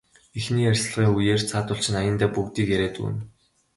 Эхний ярилцлагын үеэр цаадуул чинь аяндаа бүгдийг яриад өгнө.